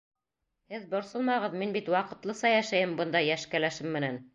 Һеҙ борсолмағыҙ, мин бит ваҡытлыса йәшәйем бында йәш кәләшем менән.